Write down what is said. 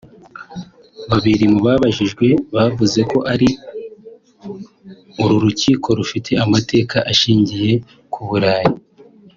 Babiri mu babajijwe bavuze ko ari uru rukiko rufite amateka ashingiye ku Burayi